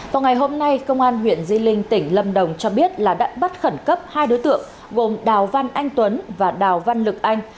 vào ngày hôm nay công an huyện di linh tỉnh lâm đồng cho biết là đã bắt khẩn cấp hai đối tượng gồm đào văn anh tuấn và đào văn lực anh